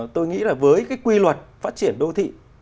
tôi nghĩ là với cái quy luật phát triển đô thị